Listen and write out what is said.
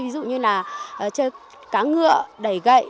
ví dụ như là chơi cá ngựa đẩy gậy